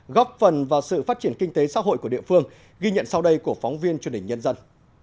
góp phần vào sự phát triển kinh tế xã hội của địa phương ghi nhận sau đây của phóng viên truyền hình nhân dân